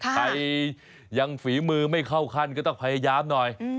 ใครยังฝีมือไม่เข้าขั้นก็ต้องพยายามหน่อย